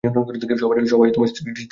সবাই স্থির দৃষ্টিতে তাকিয়ে আছে।